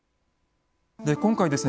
今回ですね